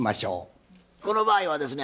この場合はですね